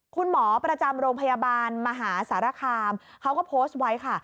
คุณหมอประจำโรงพยาบาลมหาสารคามเขาก็โพสต์ไว้ค่ะ